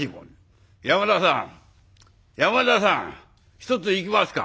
「山田さん山田さん一ついきますか？」。